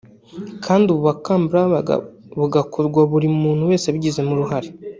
kandi ubu bukangurambaga bugakorwa buri muntu wese abigizemo uruhare